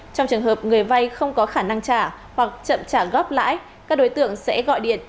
trong trường hợp người vay không có khả năng trả hoặc chậm trả góp lãi các đối tượng sẽ gọi điện